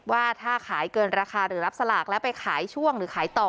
ว่าถ้าขายเกินราคาหรือรับสลากแล้วไปขายช่วงหรือขายต่อ